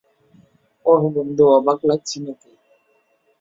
ওহ বন্ধু, অবাক লাগছে নাকি?